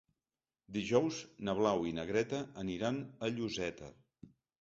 Dijous na Blau i na Greta aniran a Lloseta.